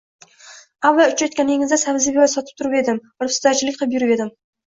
Avval uchratganingizda sabzi-piyoz sotib turib edim, olibsotarchilik qilib yurib edim